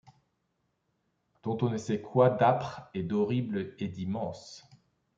Dans on ne sait quoi d’âpre et d’horrible et d’immense